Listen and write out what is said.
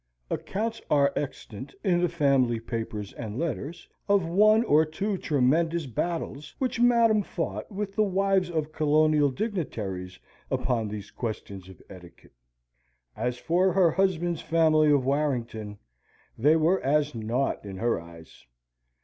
Accounts are extant, in the family papers and letters, of one or two tremendous battles which Madam fought with the wives of colonial dignitaries upon these questions of etiquette. As for her husband's family of Warrington, they were as naught in her eyes.